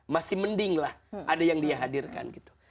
masih mending lah ada yang dihadirkan gitu